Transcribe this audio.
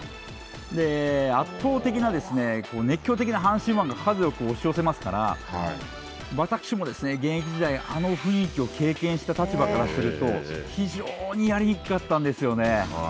圧倒的な、熱狂的な阪神ファンが数多く押し寄せますから、私も、現役時代、あの雰囲気を経験した立場からすると、非常にやりにくかったんですよね。